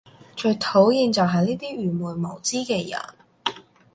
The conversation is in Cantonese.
最討厭就係呢啲愚昧無知嘅人